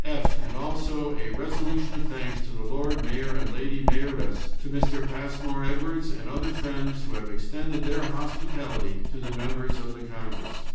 "f. And also a resolution of thanks to the Lord Mayor and Lady Mayoress, to Mr. Passmore Edwards, and other friends who have extended their hospitality to the members of the congress.